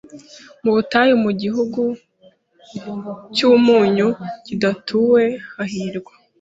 mu butayu mu gihugu cy umunyu kidatuwe Hahirwa